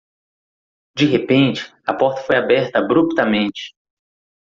De repente, a porta foi aberta abruptamente